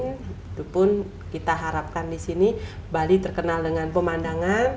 walaupun kita harapkan di sini bali terkenal dengan pemandangan